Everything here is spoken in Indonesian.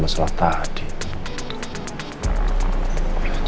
yang agar saya tidak riverside